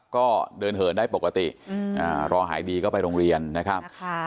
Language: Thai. ก็เดินเหินได้ปกติรอหายดีก็ไปโรงเรียนนะครับ